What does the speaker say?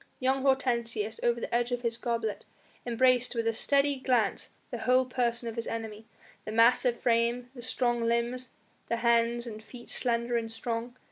Young Hortensius, over the edge of his goblet, embraced with a steady glance the whole person of his enemy the massive frame, the strong limbs, the hands and feet slender and strong.